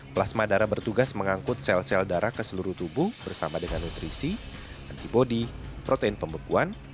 plasma darah bertugas mengangkut sel sel darah ke seluruh tubuh bersama dengan nutrisi antibody protein pembekuan